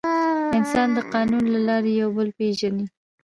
انسان د قانون له لارې یو بل پېژني.